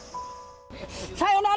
さよなら！